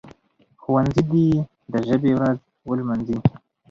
ښوونځي دي د ژبي ورځ ولمانځي.